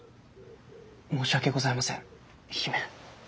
申し訳ございません姫。